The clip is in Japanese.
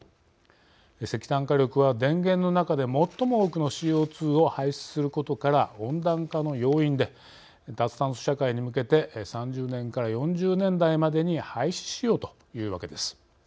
石炭火力は電源の中で最も多くのＣＯ２を排出することから温暖化の要因で脱炭素社会に向けて３０年から４０年代までに廃止しようというわけです。